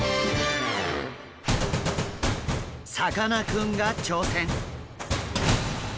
さかなクンが挑戦。